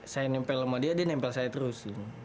saya nempel sama dia dia nempel saya terus